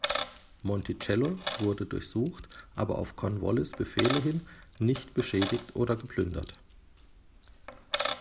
Monticello wurde durchsucht, aber auf Cornwallis’ Befehle hin nicht beschädigt oder geplündert.